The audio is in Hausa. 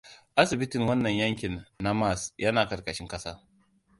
Asibitin wannan yankin na Mars yana karkashin kasa.